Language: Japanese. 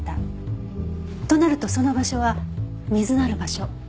となるとその場所は水のある場所。